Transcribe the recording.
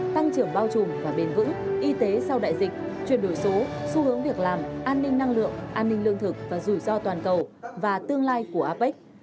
tăng trưởng bao trùm và bền vững y tế sau đại dịch chuyển đổi số xu hướng việc làm an ninh năng lượng an ninh lương thực và rủi ro toàn cầu và tương lai của apec